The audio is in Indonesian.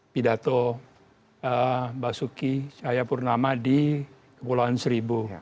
pidato basuki cahaya purnama di kepulauan seribu